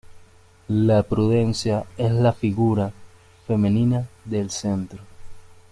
La Prudencia es la figura femenina del centro.